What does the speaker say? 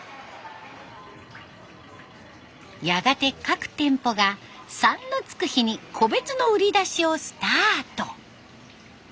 やがて各店舗が「３」のつく日に個別の売り出しをスタート。